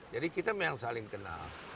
jadi kita memang saling kenal